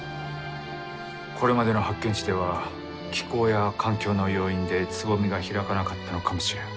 これまでの発見地では気候や環境の要因で蕾が開かなかったのかもしれん。